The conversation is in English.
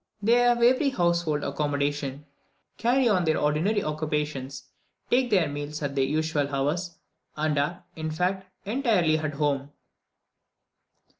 They have every household accommodation, carry on their ordinary occupations, take their meals at their usual hours, and are, in fact, entirely at home.